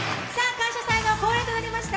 感謝祭の恒例となりました